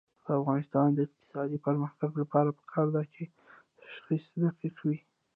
د افغانستان د اقتصادي پرمختګ لپاره پکار ده چې تشخیص دقیق وي.